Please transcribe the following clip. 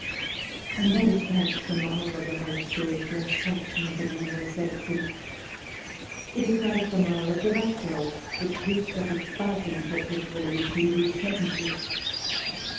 And that is perhaps the moral of the whole story for us Saxons and Anglo Saxons. It is like the moral of the rat dog that keeps up its barking perpetually through these sentences.